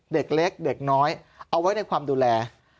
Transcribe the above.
เด็กเล็กเด็กน้อยเอาไว้ในความดูแล